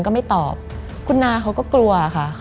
มันกลายเป็นรูปของคนที่กำลังขโมยคิ้วแล้วก็ร้องไห้อยู่